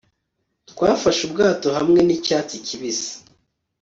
Twafashe ubwato hamwe nicyatsi kibisi